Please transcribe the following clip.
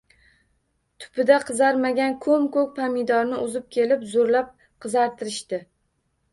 Tupida qizarmagan ko’m-ko’k pomidorni uzib kelib, zo’rlab qizartirishdi.